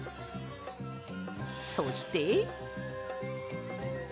そして。